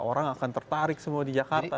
orang akan tertarik semua di jakarta